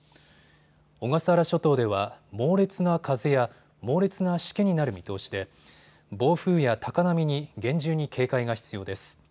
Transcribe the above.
小笠原諸島では猛烈な風や猛烈なしけになる見通しで暴風や高波に厳重に警戒が必要です。